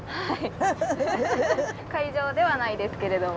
会場ではないですけれども。